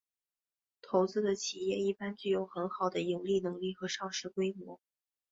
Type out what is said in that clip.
投资的企业一般具有很好的盈利能力和上市规模。